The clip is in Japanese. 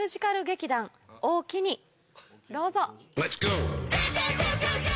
どうぞ。